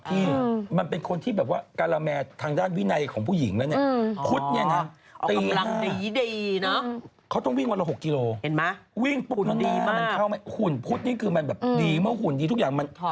ที่มันเป็นคนที่แบบว่ากาลาแมร์ทางด้านวินัยของผู้หญิงแล้วเนี่ย